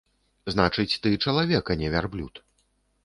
Значыць, ты чалавек, а не вярблюд.